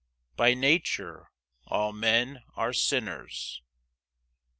By nature all men are sinners.